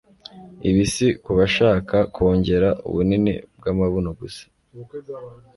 Ibi si ku bashaka kongera ubunini bw'amabuno gusa.